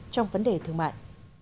trong vấn đề thương mại